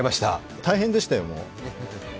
大変でしたよ、もう。